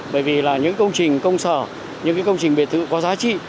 bởi vì là những công trình công sở những công trình biệt thự có giá trị